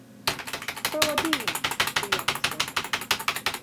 „Proua Dean!“ hüüatas ta.